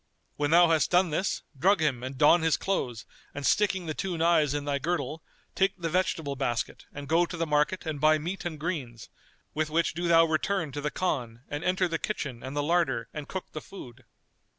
When thou hast done this drug him and don his clothes and sticking the two knives in thy girdle, take the vegetable basket and go to the market and buy meat and greens, with which do thou return to the Khan and enter the kitchen and the larder and cook the food.